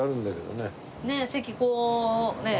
ねえ席こうねえ。